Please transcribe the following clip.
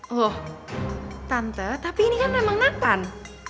loh tante tapi ini kan memang nathan